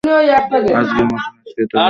আজিকার মতো নিষ্কৃতি পাইলেন।